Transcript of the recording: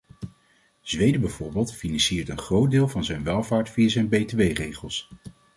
Zweden bijvoorbeeld financiert een groot deel van zijn welvaart via zijn btw-regels.